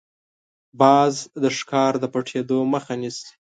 باز د ښکار د پټېدو مخه نیسي